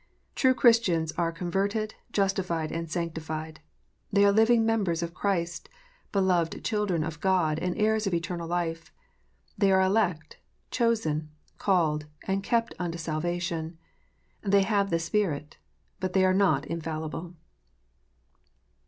True Christians are converted, justified, and sanctified. They are living members of Christ, beloved children of God, and heirs of eternal life. They are elect, chosen, called, and kept unto salvation. They have the Spirit. But they are not infallible.